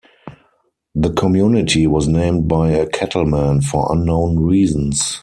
The community was named by a cattleman for unknown reasons.